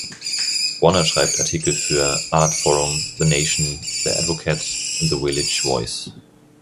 Warner schreibt Artikel für Artforum, The Nation, The Advocate und The Village Voice.